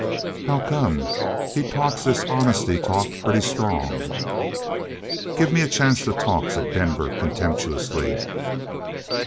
"How come? He talks this 'honesty' talk pretty strong." "Gimme a chance to talk," said Denver contemptuously.